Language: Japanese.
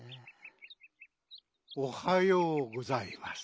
おはようございます。